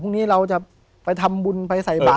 ผมก็ไม่เคยเห็นว่าคุณจะมาทำอะไรให้คุณหรือเปล่า